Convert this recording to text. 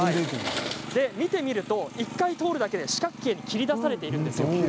見てみると１回通るだけで四角形に切り出されています。